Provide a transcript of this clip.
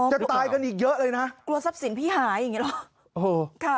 จะตายกันอีกเยอะเลยนะกลัวทรัพย์สินพี่หายอย่างนี้หรอ